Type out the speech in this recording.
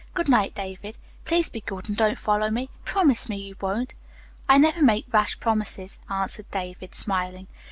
Good night, David. Please be good and don't follow me. Promise me you won't." "I never make rash promises," answered David, smiling.